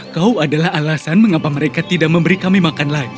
kau adalah alasan mengapa mereka tidak memberi kami makan lagi